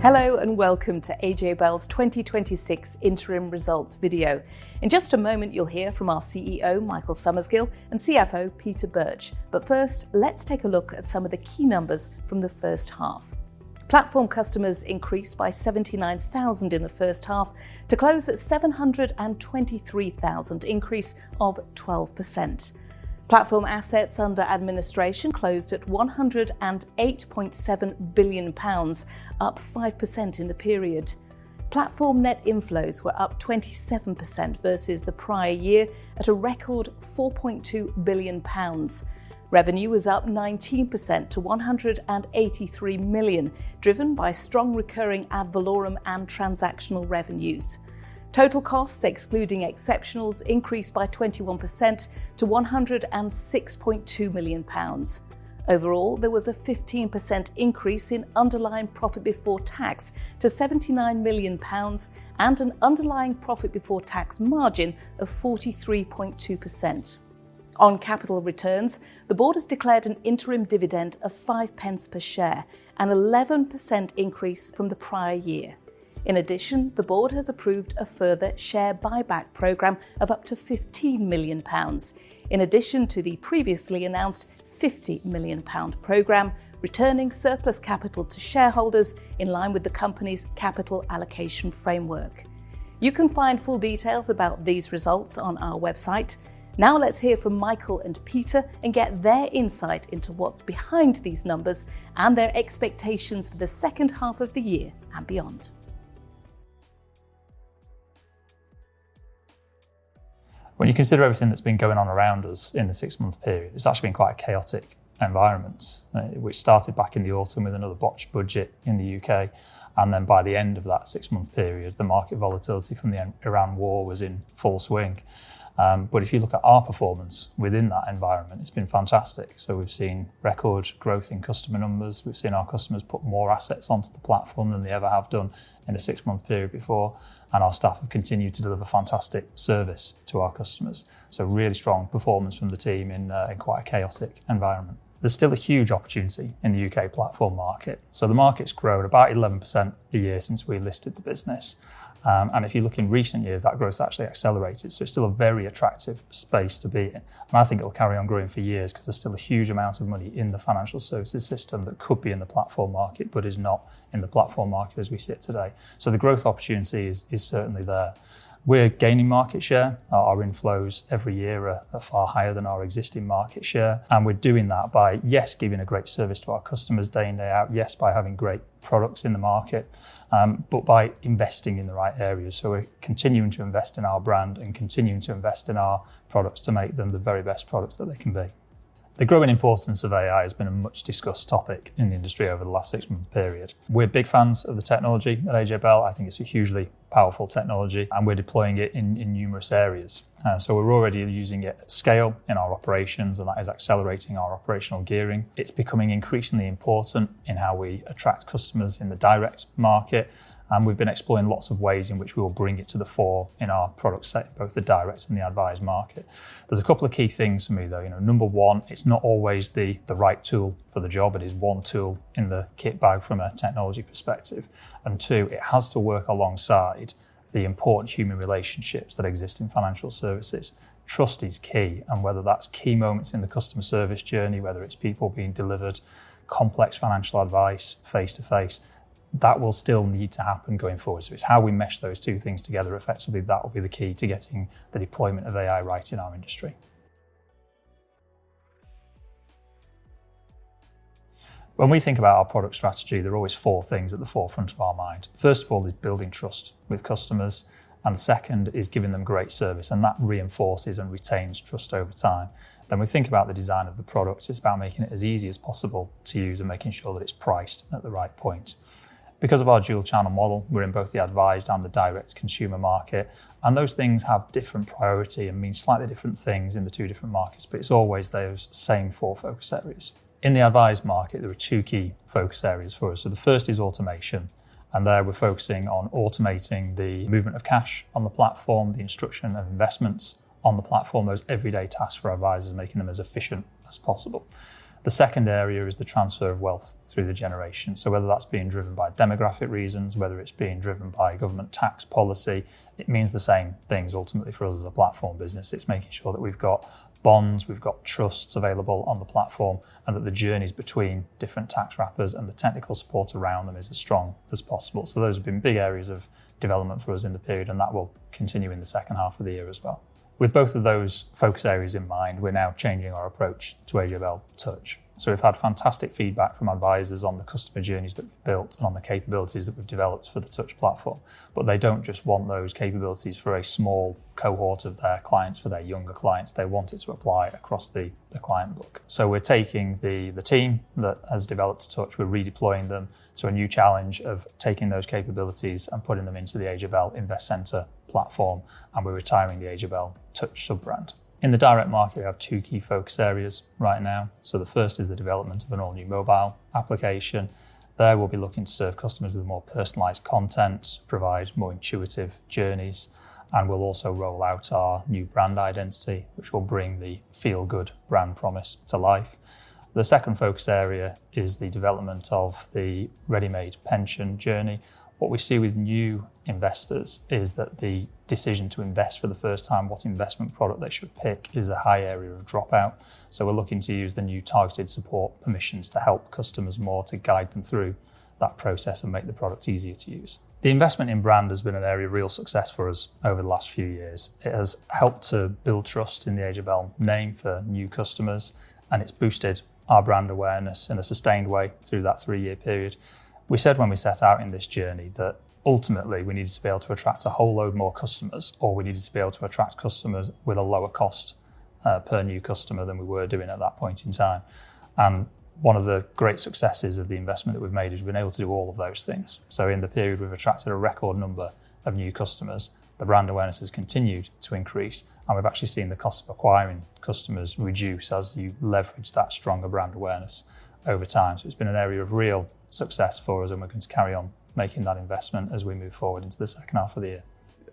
Hello, and welcome to AJ Bell's 2026 interim results video. In just a moment, you'll hear from our CEO, Michael Summersgill, and CFO, Peter Birch. First, let's take a look at some of the key numbers from the first half. Platform customers increased by 79,000 in the first half to close at 723,000, increase of 12%. Platform assets under administration closed at 108.7 billion pounds, up 5% in the period. Platform net inflows were up 27% versus the prior year at a record 4.2 billion pounds. Revenue was up 19% to 183 million, driven by strong recurring ad valorem and transactional revenues. Total costs, excluding exceptionals, increased by 21% to 106.2 million pounds. Overall, there was a 15% increase in underlying profit before tax to 79 million pounds and an underlying profit before tax margin of 43.2%. On capital returns, the board has declared an interim dividend of 0.05 per share, an 11% increase from the prior year. In addition, the board has approved a further share buyback program of up to 15 million pounds, in addition to the previously announced 50 million pound program, returning surplus capital to shareholders in line with the company's capital allocation framework. You can find full details about these results on our website. Let's hear from Michael and Peter and get their insight into what's behind these numbers and their expectations for the second half of the year and beyond. When you consider everything that's been going on around us in the six-month period, it's actually been quite a chaotic environment. We started back in the autumn with another botched budget in the U.K., and then by the end of that six-month period, the market volatility from the tariff war was in full swing. If you look at our performance within that environment, it's been fantastic. We've seen record growth in customer numbers, we've seen our customers put more assets onto the platform than they ever have done in a six-month period before, and our staff have continued to deliver fantastic service to our customers. Really strong performance from the team in quite a chaotic environment. There's still a huge opportunity in the U.K. platform market. The market's grown about 11% a year since we listed the business. If you look in recent years, that growth's actually accelerated, so it's still a very attractive space to be in. I think it'll carry on growing for years because there's still a huge amount of money in the financial services system that could be in the platform market, but is not in the platform market as we sit today. The growth opportunity is certainly there. We're gaining market share. Our inflows every year are far higher than our existing market share, and we're doing that by, yes, giving a great service to our customers day in, day out, yes, by having great products in the market, but by investing in the right areas. We're continuing to invest in our brand and continuing to invest in our products to make them the very best products that they can be. The growing importance of AI has been a much-discussed topic in the industry over the last six-month period. We're big fans of the technology at AJ Bell. I think it's a hugely powerful technology, and we're deploying it in numerous areas. We're already using it at scale in our operations, and that is accelerating our operational gearing. It's becoming increasingly important in how we attract customers in the direct market, and we've been exploring lots of ways in which we will bring it to the fore in our product set, both the direct and the advised market. There's a couple of key things for me, though. Number one, it's not always the right tool for the job. It is one tool in the kit bag from a technology perspective. Two, it has to work alongside the important human relationships that exist in financial services. Trust is key, and whether that's key moments in the customer service journey, whether it's people being delivered complex financial advice face-to-face, that will still need to happen going forward. It's how we mesh those two things together effectively that will be the key to getting the deployment of AI right in our industry. When we think about our product strategy, there are always four things at the forefront of our mind. First of all is building trust with customers, and second is giving them great service, and that reinforces and retains trust over time. We think about the design of the product. It's about making it as easy as possible to use and making sure that it's priced at the right point. Because of our dual-channel model, we're in both the advised and the direct consumer market, and those things have different priority and mean slightly different things in the two different markets. It's always those same four focus areas. In the advised market, there are two key focus areas for us. The first is automation, and there we're focusing on automating the movement of cash on the platform, the instruction of investments on the platform, those everyday tasks for our advisors, making them as efficient as possible. The second area is the transfer of wealth through the generations. Whether that's being driven by demographic reasons, whether it's being driven by government tax policy, it means the same things ultimately for us as a platform business. It's making sure that we've got bonds, we've got trusts available on the platform, and that the journeys between different tax wrappers and the technical support around them is as strong as possible. Those have been big areas of development for us in the period, and that will continue in the second half of the year as well. With both of those focus areas in mind, we're now changing our approach to AJ Bell Touch. We've had fantastic feedback from advisors on the customer journeys they've built and on the capabilities that we've developed for the Touch platform. They don't just want those capabilities for a small cohort of their clients, for their younger clients. They want it to apply across the client book. We're taking the team that has developed Touch, we're redeploying them to a new challenge of taking those capabilities and putting them into the AJ Bell Investcentre platform, and we're retiring the AJ Bell Touch sub-brand. In the direct market, we have two key focus areas right now. The first is the development of an all-new mobile application. There, we'll be looking to serve customers with more personalized content, provide more intuitive journeys, and we'll also roll out our new brand identity, which will bring the feel-good brand promise to life. The second focus area is the development of the ready-made pension journey. What we see with new investors is that the decision to invest for the first time, what investment product they should pick, is a high area of dropout. We're looking to use the new targeted support permissions to help customers more to guide them through that process and make the product easier to use. The investment in brand has been an area of real success for us over the last few years. It has helped to build trust in the AJ Bell name for new customers, and it's boosted our brand awareness in a sustained way through that three-year period. We said when we set out in this journey that ultimately we needed to be able to attract a whole load more customers, or we needed to be able to attract customers with a lower cost per new customer than we were doing at that point in time. One of the great successes of the investment that we've made is we've been able to do all of those things. In the period, we've attracted a record number of new customers. The brand awareness has continued to increase, and we've actually seen the cost of acquiring customers reduce as you leverage that stronger brand awareness over time. It's been an area of real success for us, and we're going to carry on making that investment as we move forward into the second half of the year.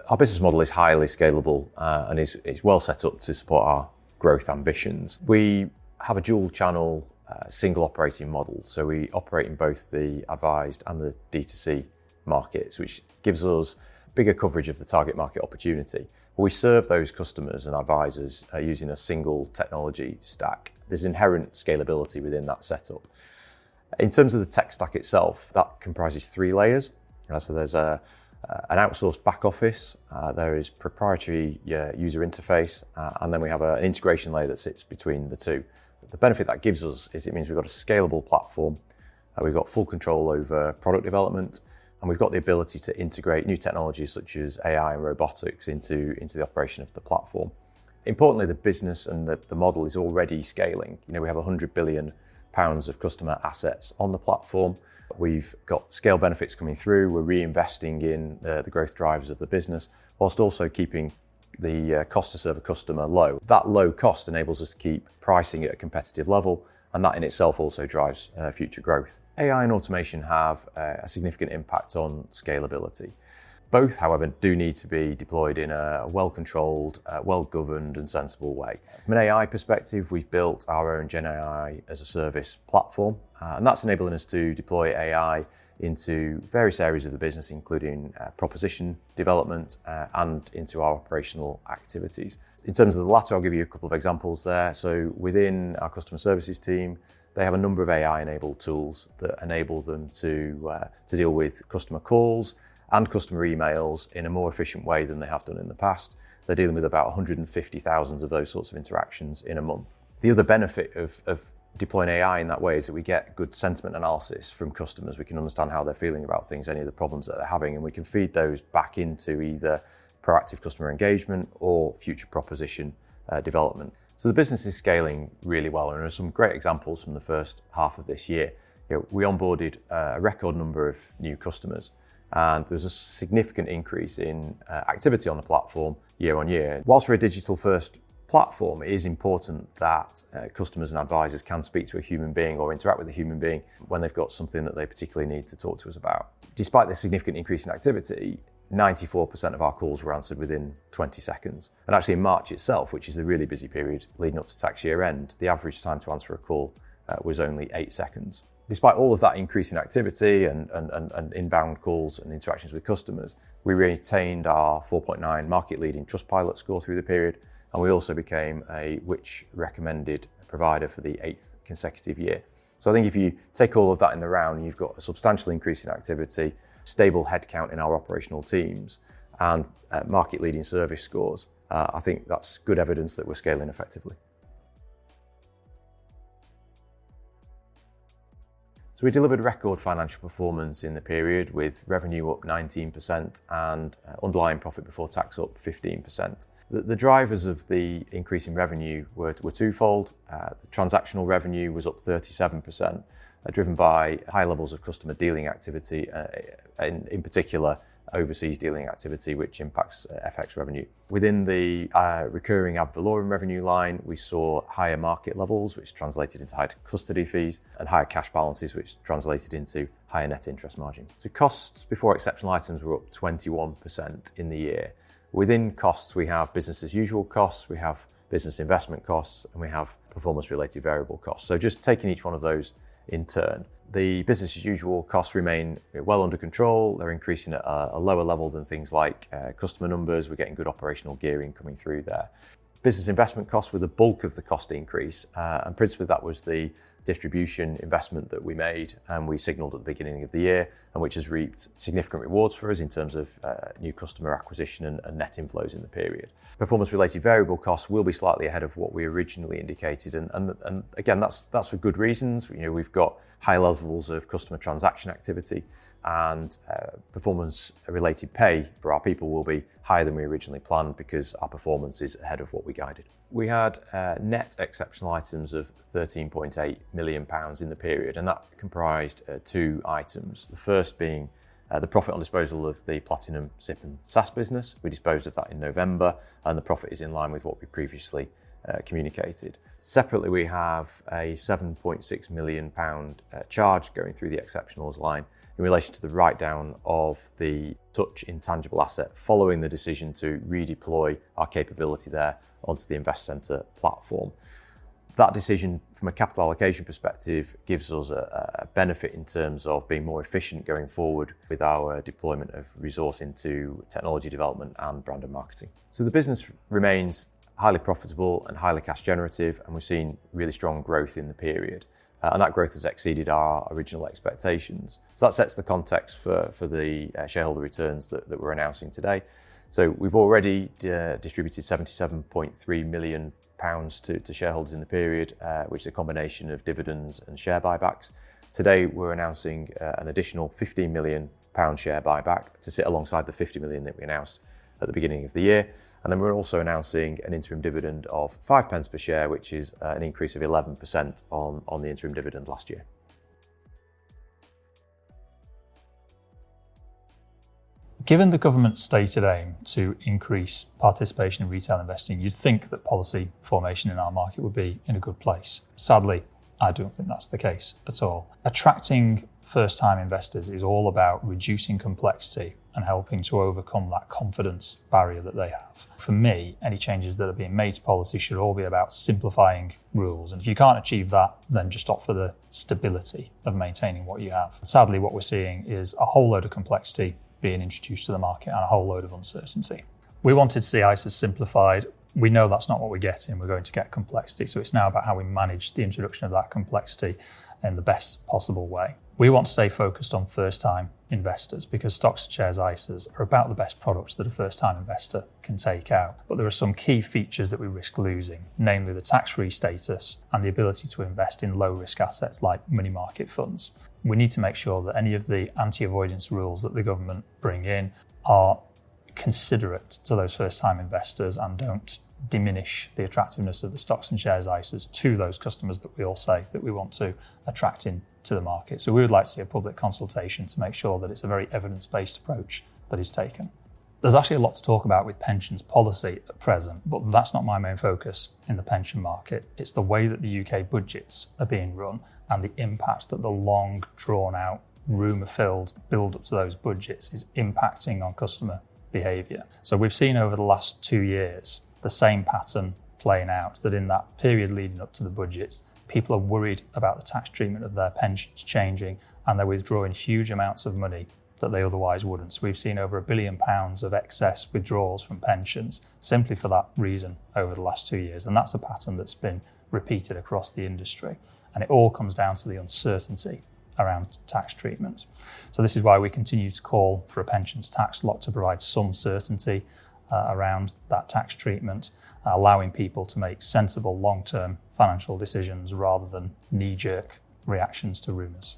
Our business model is highly scalable and is well set up to support our growth ambitions. We have a dual-channel, single operating model. We operate in both the advised and the D2C markets, which gives us bigger coverage of the target market opportunity. We serve those customers and advisors using a single technology stack. There's inherent scalability within that setup. In terms of the tech stack itself, that comprises three layers. There's an outsourced back office, there is proprietary user interface. We have an integration layer that sits between the two. The benefit that gives us is it means we've got a scalable platform, we've got full control over product development. We've got the ability to integrate new technologies such as AI and robotics into the operation of the platform. Importantly, the business and the model is already scaling. We have 100 billion pounds of customer assets on the platform. We've got scale benefits coming through. We're reinvesting in the growth drivers of the business whilst also keeping the cost to serve a customer low. That low cost enables us to keep pricing at a competitive level, and that in itself also drives future growth. AI and automation have a significant impact on scalability. Both, however, do need to be deployed in a well-controlled, well-governed, and sensible way. From an AI perspective, we've built our own GenAI-as-a-Service platform, and that's enabling us to deploy AI into various areas of the business, including proposition development and into our operational activities. In terms of the latter, I'll give you a couple of examples there. Within our customer services team, they have a number of AI-enabled tools that enable them to deal with customer calls and customer emails in a more efficient way than they have done in the past. They're dealing with about 150,000 of those sorts of interactions in a month. The other benefit of deploying AI in that way is that we get good sentiment analysis from customers. We can understand how they're feeling about things, any of the problems that they're having, and we can feed those back into either proactive customer engagement or future proposition development. The business is scaling really well, and there are some great examples from the first half of this year. We onboarded a record number of new customers, and there's a significant increase in activity on the platform year-on-year. Whilst we're a digital-first platform, it is important that customers and advisors can speak to a human being or interact with a human being when they've got something that they particularly need to talk to us about. Despite the significant increase in activity, 94% of our calls were answered within 20 seconds. Actually in March itself, which is a really busy period leading up to tax year-end, the average time to answer a call was only eight seconds. Despite all of that increase in activity and inbound calls and interactions with customers, we retained our 4.9 market-leading Trustpilot score through the period, and we also became a Which? recommended provider for the eighth consecutive year. I think if you take all of that in the round and you've got a substantial increase in activity, stable headcount in our operational teams, and market-leading service scores, I think that's good evidence that we're scaling effectively. We delivered record financial performance in the period with revenue up 19% and underlying profit before tax up 15%. The drivers of the increase in revenue were twofold. The transactional revenue was up 37%, driven by high levels of customer dealing activity, in particular overseas dealing activity, which impacts FX revenue. Within the recurring ad valorem revenue line, we saw higher market levels, which translated into higher custody fees and higher cash balances, which translated into higher net interest margin. Costs before exceptional items were up 21% in the year. Within costs, we have business-as-usual costs, we have business investment costs, and we have performance-related variable costs. Just taking each one of those in turn. The business-as-usual costs remain well under control. They're increasing at a lower level than things like customer numbers. We're getting good operational gearing coming through there. Business investment costs were the bulk of the cost increase, and principally that was the distribution investment that we made and we signaled at the beginning of the year, and which has reaped significant rewards for us in terms of new customer acquisition and net inflows in the period. Performance-related variable costs will be slightly ahead of what we originally indicated, and again, that's for good reasons. We've got high levels of customer transaction activity and performance-related pay for our people will be higher than we originally planned because our performance is ahead of what we guided. We had net exceptional items of 13.8 million pounds in the period, and that comprised two items. The first being the profit on disposal of the Platinum SIPP and SSAS business. We disposed of that in November, and the profit is in line with what we previously communicated. Separately, we have a 7.6 million pound charge going through the exceptionals line in relation to the write-down of the Touch intangible asset following the decision to redeploy our capability there onto the Investcentre platform. That decision, from a capital allocation perspective, gives us a benefit in terms of being more efficient going forward with our deployment of resource into technology development and brand and marketing. The business remains highly profitable and highly cash generative, and we've seen really strong growth in the period. That growth has exceeded our original expectations. That sets the context for the shareholder returns that we're announcing today. We've already distributed 77.3 million pounds to shareholders in the period, which is a combination of dividends and share buybacks. Today, we're announcing an additional 15 million pound share buyback to sit alongside the 50 million that we announced at the beginning of the year. We're also announcing an interim dividend of 0.05 per share, which is an increase of 11% on the interim dividend last year. Given the government's stated aim to increase participation in retail investing, you'd think that policy formation in our market would be in a good place. Sadly, I don't think that's the case at all. Attracting first-time investors is all about reducing complexity and helping to overcome that confidence barrier that they have. For me, any changes that are being made to policy should all be about simplifying rules, and if you can't achieve that, then just offer the stability of maintaining what you have. Sadly, what we're seeing is a whole load of complexity being introduced to the market and a whole load of uncertainty. We wanted to see ISAs simplified. We know that's not what we're getting. We're going to get complexity, so it's now about how we manage the introduction of that complexity in the best possible way. We want to stay focused on first-time investors because stocks and shares ISAs are about the best products that a first-time investor can take out. There are some key features that we risk losing, namely the tax-free status and the ability to invest in low-risk assets like money market funds. We need to make sure that any of the anti-avoidance rules that the government bring in are considerate to those first-time investors and don't diminish the attractiveness of the stocks and shares ISAs to those customers that we all say that we want to attract into the market. We would like to see a public consultation to make sure that it's a very evidence-based approach that is taken. There's actually a lot to talk about with pensions policy at present, but that's not my main focus in the pension market. It's the way that the U.K. budgets are being run and the impact that the long, drawn-out, rumor-filled build-up to those budgets is impacting on customer behavior. We've seen over the last two years the same pattern playing out, that in that period leading up to the budgets, people are worried about the tax treatment of their pensions changing, and they're withdrawing huge amounts of money that they otherwise wouldn't. We've seen over 1 billion pounds of excess withdrawals from pensions simply for that reason over the last two years, and that's a pattern that's been repeated across the industry, and it all comes down to the uncertainty around tax treatment. This is why we continue to call for a pensions tax lock to provide some certainty around that tax treatment, allowing people to make sensible, long-term financial decisions rather than knee-jerk reactions to rumors.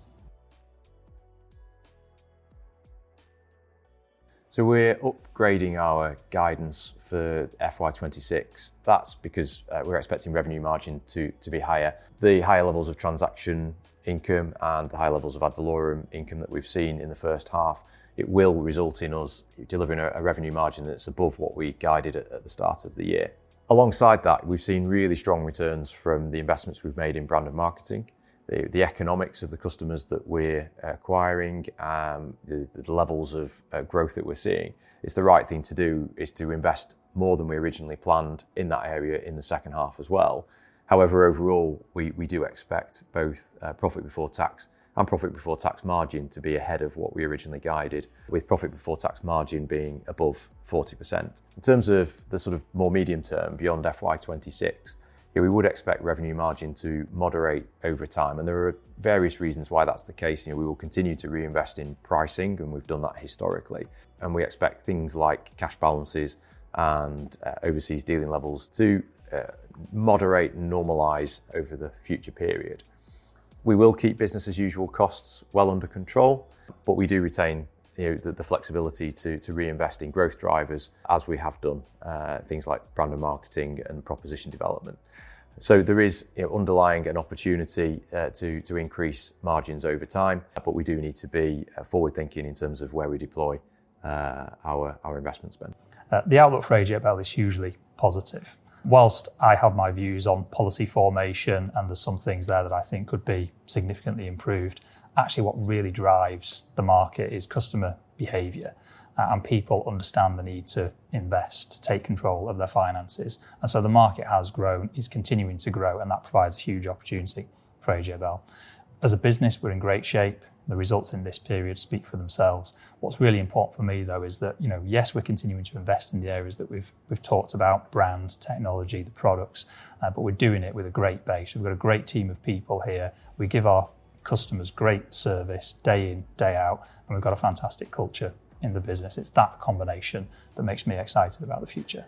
We're upgrading our guidance for FY 2026. That's because we're expecting revenue margin to be higher. The higher levels of transaction income and the higher levels of ad valorem income that we've seen in the first half, it will result in us delivering a revenue margin that's above what we guided at the start of the year. Alongside that, we've seen really strong returns from the investments we've made in brand and marketing. The economics of the customers that we're acquiring and the levels of growth that we're seeing, it's the right thing to do is to invest more than we originally planned in that area in the second half as well. However, overall, we do expect both profit before tax and profit before tax margin to be ahead of what we originally guided, with profit before tax margin being above 40%. In terms of the sort of more medium term, beyond FY 2026, we would expect revenue margin to moderate over time. There are various reasons why that's the case. We will continue to reinvest in pricing. We've done that historically. We expect things like cash balances and overseas dealing levels to moderate and normalize over the future period. We will keep business as usual costs well under control. We do retain the flexibility to reinvest in growth drivers as we have done things like brand and marketing and proposition development. There is underlying an opportunity to increase margins over time. We do need to be forward-thinking in terms of where we deploy our investment spend. The outlook for AJ Bell is hugely positive. Whilst I have my views on policy formation and there's some things there that I think could be significantly improved, actually what really drives the market is customer behavior, and people understand the need to invest, to take control of their finances. The market has grown, is continuing to grow, and that provides a huge opportunity for AJ Bell. As a business, we're in great shape. The results in this period speak for themselves. What's really important for me, though, is that, yes, we're continuing to invest in the areas that we've talked about, brands, technology, the products, but we're doing it with a great base. We've got a great team of people here. We give our customers great service day in, day out, and we've got a fantastic culture in the business. It's that combination that makes me excited about the future.